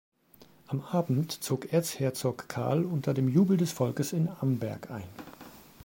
Am Abend zog Erzherzog Karl unter dem Jubel des Volkes in Amberg ein.